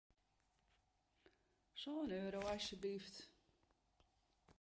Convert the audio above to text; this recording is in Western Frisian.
Sân euro, asjeblyft.